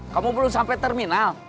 kamu belum sampai terminal